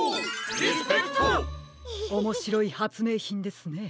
おもしろいはつめいひんですね。